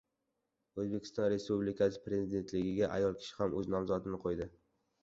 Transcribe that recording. O‘zbekiston Respublikasi Prezidentligiga ayol kishi ham o‘z nomzodini qo‘ydi